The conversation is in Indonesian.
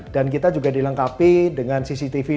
dan kita juga dilengkapi dengan kabel yang ada di bawah tanah